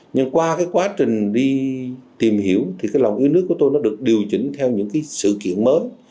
nhưng qua cái quá trình đi tìm hiểu thì cái lòng yêu nước của tôi nó được điều chỉnh theo những cái sự kiện mới